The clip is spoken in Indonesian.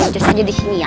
jangan disini ya